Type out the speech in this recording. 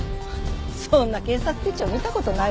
そんな警察手帳見た事ないわ。